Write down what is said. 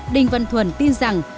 đinh văn thuần tin rằng